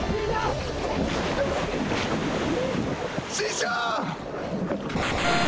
師匠！